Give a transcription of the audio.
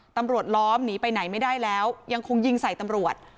ตำรวจล้อมหนีไปไหนไม่อยากไปก็ยิงกับตำรวจ